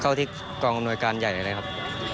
เข้าที่กองอำนวยการใหญ่เลยครับ